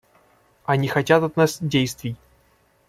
Они хотят от нас действий.